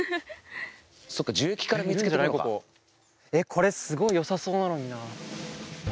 これすごいよさそうなのにな。